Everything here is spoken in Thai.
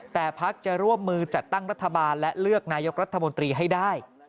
แต่พักจะร่วมมือจัดตั้งรัฐบาลและเลือกนายกรัฐมนตรีให้ได้